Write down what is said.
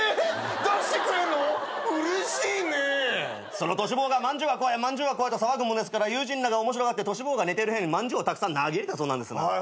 そのトシ坊が「まんじゅうは怖い」と騒ぐもんですから友人らが面白がってトシ坊が寝てる部屋にまんじゅうをたくさん投げ入れたそうなんです。